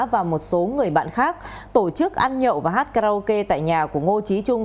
và một số người bạn khác tổ chức ăn nhậu và hát karaoke tại nhà của ngô trí trung